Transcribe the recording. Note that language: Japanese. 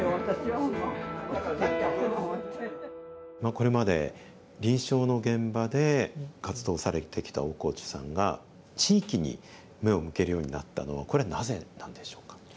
これまで臨床の現場で活動されてきた大河内さんが地域に目を向けるようになったのはこれなぜなんでしょうか？